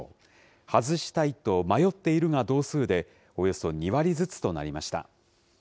外したいと迷っているが同数で、およそ２割ずつとなりました。